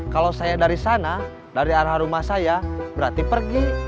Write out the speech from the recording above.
kalau saya dari sana dari arah rumah saya berarti pergi